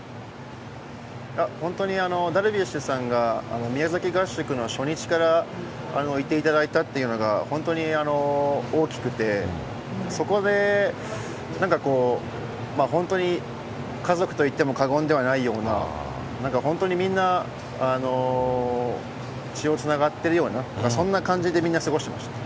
本当にダルビッシュさんが宮崎合宿の初日からいていただいたっていうのが、本当に大きくて、そこでなんかこう、本当に家族と言っても過言ではないような、なんか本当にみんな、血がつながってるような、そんな感じでみんな過ごしてました。